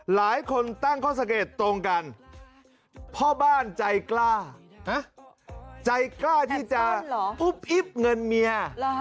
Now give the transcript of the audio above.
หลายคนตั้งข้อสังเกตตรงกันพ่อบ้านใจกล้าใจกล้าที่จะอุ๊บอิ๊บเงินเมีย